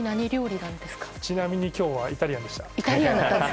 ちなみに今日はイタリアンでした。